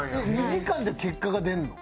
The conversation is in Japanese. ２時間で結果が出るの？